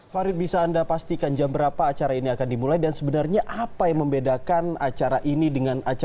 farid bisa anda pastikan jam berapa acara ini akan dimulai dan sebenarnya apa yang membedakan acara ini dengan acara